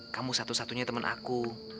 kamu satu satunya teman aku